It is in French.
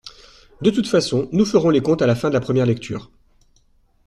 De toute façon, nous ferons les comptes à la fin de la première lecture.